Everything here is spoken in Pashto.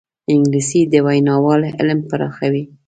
انګلیسي د ویناوال علم پراخوي